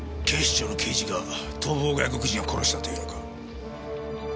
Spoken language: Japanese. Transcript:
警視庁の刑事が逃亡外国人を殺したと言うのか？